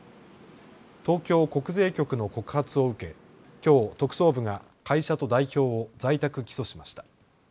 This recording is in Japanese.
東京国税局の告発を受けきょう特捜部が会社と代表を在宅起訴しました。